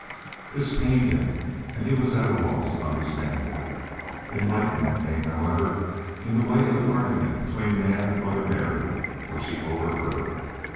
This pained him and he was at a loss to understand it. Enlightenment came, however, in the way of an argument between Naab and Mother Mary which he overheard.